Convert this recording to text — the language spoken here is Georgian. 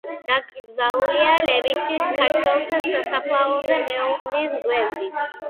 დაკრძალულია ლევილის ქართველთა სასაფლაოზე, მეუღლის გვერდით.